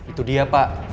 nah itu dia pak